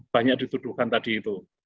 banyak dituduhkan tadi itu